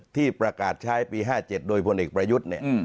ที่ประกาศใช้ปี๕๗โดยพลเอกประยุทธ์เนี่ย